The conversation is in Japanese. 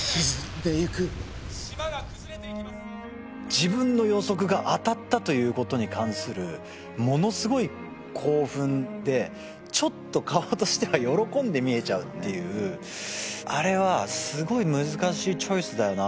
自分の予測が当たったということに関するものすごい興奮でちょっと顔としては喜んで見えちゃうっていうあれはすごい難しいチョイスだよな